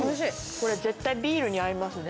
これ絶対ビールに合いますね。